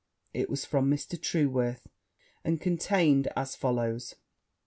It was from Mr. Trueworth, and contained as follows.